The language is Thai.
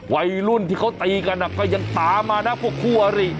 วัยรุ่นที่เขาตีกันก็ยังตามมานะพวกคู่อริ